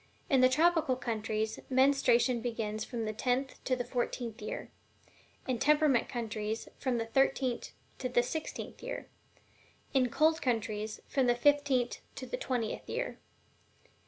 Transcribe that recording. In the tropical countries, menstruation begins from the tenth to the fourteenth year; in temperate countries, from the thirteenth to the sixteenth; in cold countries, from the fifteenth to the twentieth year.